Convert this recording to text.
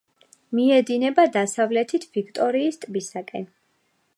მიედინება დასავლეთით ვიქტორიის ტბისაკენ.